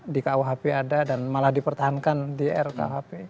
di kuhp ada dan malah dipertahankan di rkuhp